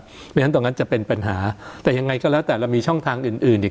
เพราะฉะนั้นตรงนั้นจะเป็นปัญหาแต่ยังไงก็แล้วแต่เรามีช่องทางอื่นอื่นอีก